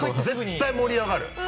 絶対盛り上がる。